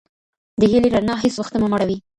د هیلې رڼا هیڅ وختمه مړوئ.